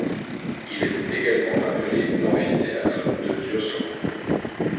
Il est également appelé l'amphithéâtre de Diosso.